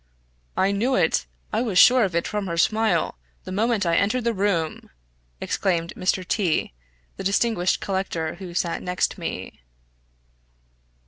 "I knew it! I was sure of it from her smile, the moment I entered the room!" exclaimed Mr. T the distinguished collector, who sat next me.